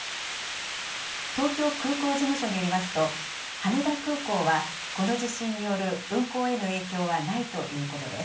東京空港事務所によりますと、羽田空港は、この地震による運航への影響はないということです。